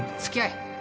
つきあえ